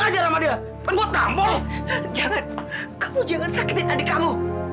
jangan kamu jangan sakitin adik kamu